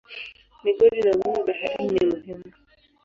Migodi na uvuvi baharini ni muhimu.